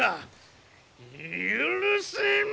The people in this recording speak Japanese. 許せん！